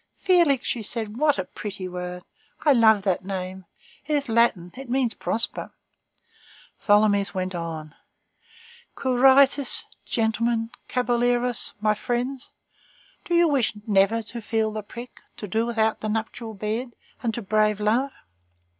"Félix," said she, "what a pretty word! I love that name. It is Latin; it means prosper." Tholomyès went on:— "Quirites, gentlemen, caballeros, my friends. Do you wish never to feel the prick, to do without the nuptial bed, and to brave love?